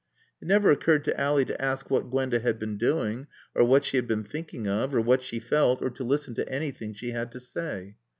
It never occurred to Ally to ask what Gwenda had been doing, or what she had been thinking of, or what she felt, or to listen to anything she had to say.